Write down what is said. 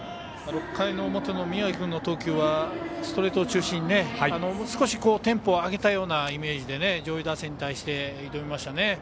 ６回の表の宮城君の投球はストレートを中心に少しテンポを上げたようなイメージで上位打線に対して挑みましたね。